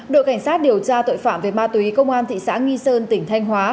đội cảnh sát điều tra tội phạm về ma túy công an thị xã nghi sơn tỉnh thanh hóa